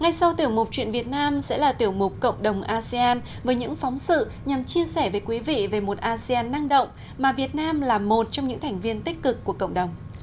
ngay sau tiểu mục chuyện việt nam sẽ là tiểu mục cộng đồng asean với những phóng sự nhằm chia sẻ với quý vị về một asean năng động mà việt nam là một trong những thành viên tích cực của cộng đồng